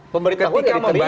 pemberitahuan yang diterima pak